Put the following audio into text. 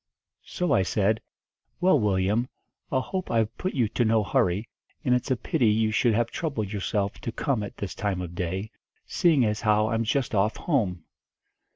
"So I said, 'Well, Willyum, I hope I've put you to no hurry, and it's a pity you should have troubled yourself to come at this time of day, seeing as how I'm just off home.'